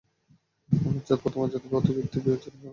আমার জাত, পদমর্যাদা এবং প্রতিপত্তি বিবেচনা কর।